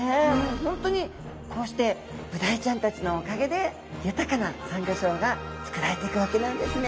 本当にこうしてブダイちゃんたちのおかげで豊かなサンゴ礁がつくられていくわけなんですね。